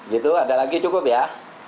gitu ada lagi cukup ya